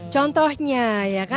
contohnya ya kan